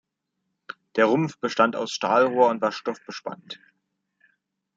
Der Rumpf bestand aus Stahlrohr und war stoffbespannt.